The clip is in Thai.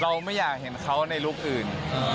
ไม่อยากเห็นเขาในลุคอื่น